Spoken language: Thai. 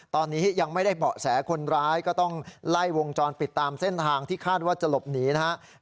ตอนนี้ยังไม่ได้เบาะแสคนร้ายก็ต้องไล่วงจรปิดตามเส้นทางที่คาดว่าจะหลบหนีนะครับ